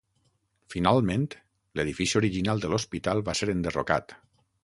Finalment, l'edifici original de l'Hospital va ser enderrocat.